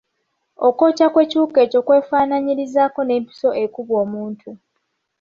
Okwokya kw'ekiwuka ekyo kwefaanaanyirizaako n'empiso ekubwa omuntu.